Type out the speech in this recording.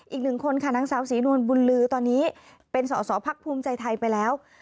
อีกหนึ่งคนค่ะนางสาวศรีนวลบุญลือตอนนี้เป็นสอสอพักภูมิใจไทยไปแล้ว